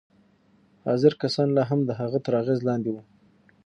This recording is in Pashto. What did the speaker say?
حاضر کسان لا هم د هغه تر اغېز لاندې وو